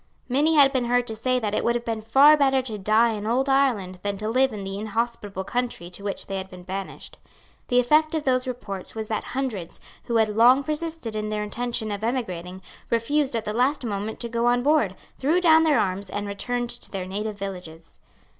Many had been heard to say that it would have been far better to die in old Ireland than to live in the inhospitable country to which they had been banished. The effect of those reports was that hundreds, who had long persisted in their intention of emigrating, refused at the last moment to go on board, threw down their arms, and returned to their native villages.